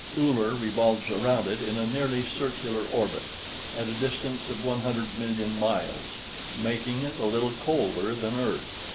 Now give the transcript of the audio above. Uller revolves around it in a nearly circular orbit, at a distance of 100,000,000 miles, making it a little colder than Earth.